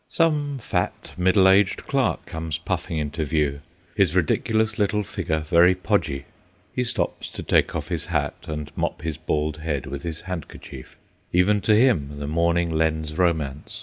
Some fat, middle aged clerk comes puffing into view: his ridiculous little figure very podgy. He stops to take off his hat and mop his bald head with his handkerchief: even to him the morning lends romance.